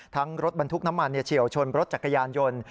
รถบรรทุกน้ำมันเฉียวชนรถจักรยานยนต์